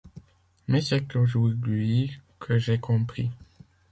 Mais c’est aujourd’hui que j’ai compris.